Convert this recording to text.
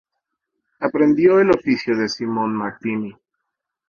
Aprendió el oficio de Simone Martini.